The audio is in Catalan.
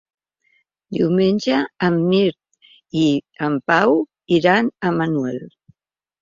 Diumenge en Mirt i en Pau iran a Manuel.